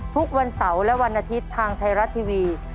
ทุกวันเสาร์และวันอาทิตย์ทางไทยรัฐทีวี